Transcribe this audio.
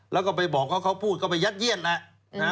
แล้วก็ไปบอกเขาพูดก็ไปยัดเยี่ยนแหละ